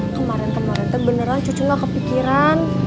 kemarin kemarin tuh beneran cucu gak kepikiran